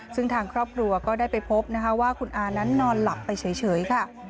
ซึ่งทางครอบครัวก็ได้ไปพบนะคะว่าคุณอานั้นนอนหลับไปเฉยค่ะ